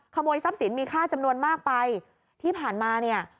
ขโมยทรัพย์สินมีค่าจำนวนมากไปที่ผ่านมาเนี่ย